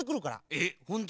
えっほんと？